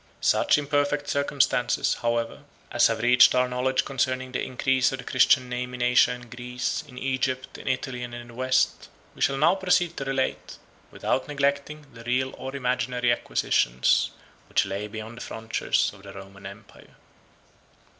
Such imperfect circumstances, however, as have reached our knowledge concerning the increase of the Christian name in Asia and Greece, in Egypt, in Italy, and in the West, we shall now proceed to relate, without neglecting the real or imaginary acquisitions which lay beyond the frontiers of the Roman empire.